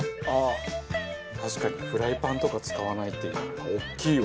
確かにフライパンとか使わないっていうのは大きいわ。